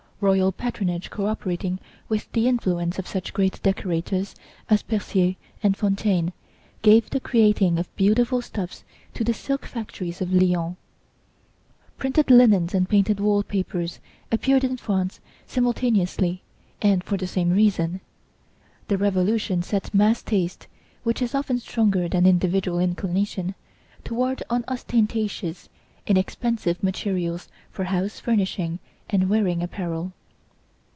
Royal patronage co operating with the influence of such great decorators as Percier and Fontaine gave the creating of beautiful stuffs to the silk factories of Lyons. Printed linens and painted wall papers appeared in France simultaneously, and for the same reason. The Revolution set mass taste (which is often stronger than individual inclination), toward unostentatious, inexpensive materials for house furnishing and wearing apparel.